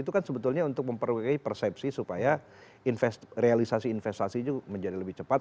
itu kan sebetulnya untuk memperoleh persepsi supaya realisasi investasi itu menjadi lebih cepat